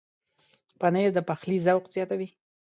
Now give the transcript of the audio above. پنېر د پخلي ذوق زیاتوي.